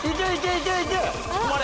いけ！